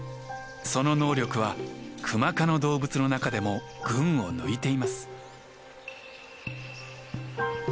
その能力はクマ科の動物の中でも群を抜いています。